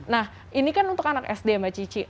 nah ini kan untuk anak sd ya mbak cici